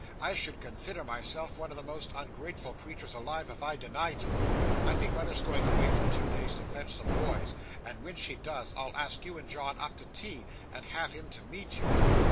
'I should consider myself one of the most ungrateful creatures alive, if I denied you. I think mother's going away for two days to fetch some boys; and when she does, I'll ask you and John up to tea, and have him to meet you.